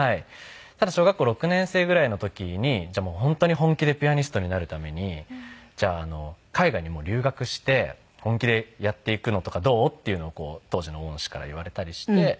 ただ小学校６年生ぐらいの時に本当に本気でピアニストになるために「じゃあ海外に留学して本気でやっていくのとかどう？」っていうのを当時の恩師から言われたりして。